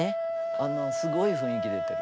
あのすごい雰囲気出てる。